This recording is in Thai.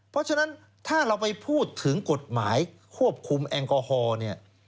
เพราะฉะนั้นถ้าเราไปพูดถึงกฎหมายควบคุมแอลกอฮอล์เนี่ย